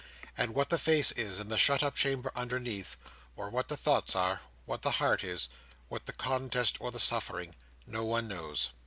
And what the face is, in the shut up chamber underneath: or what the thoughts are: what the heart is, what the contest or the suffering: no one knows.